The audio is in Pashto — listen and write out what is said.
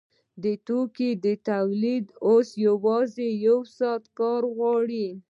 د توکو تولید اوس یوازې یو ساعت کار غواړي